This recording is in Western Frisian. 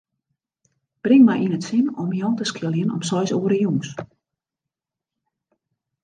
Bring my yn it sin om Jan te skiljen om seis oere jûns.